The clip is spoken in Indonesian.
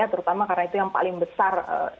terutama karena itu yang paling besar